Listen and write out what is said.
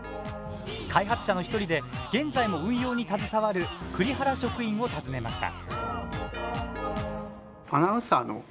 開発者の１人で現在も運用に携わる栗原職員を訪ねました。